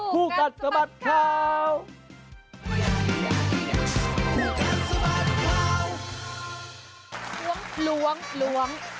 ผู้กันสบัดข่าว